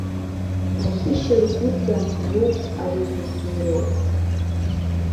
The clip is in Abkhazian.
Ахьышьаргәыҵа иоуп ари зыбзоуроу.